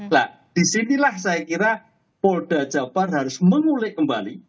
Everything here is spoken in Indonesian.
nah di sinilah saya kira polda jawaban harus mengulik kembali